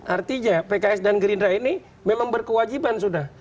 artinya pks dan gerindra ini memang berkewajiban sudah